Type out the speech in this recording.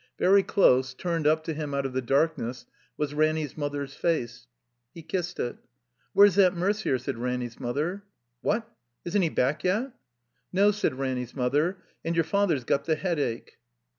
Very dose, turned up to him out of the darkness, was Ranny's mother's face. He kissed it. ''Where's that Merrier ?" said Ranny's mother. "What? Isn't he back yet?" "No," said Ranny's mother. "And your father's got the Headache."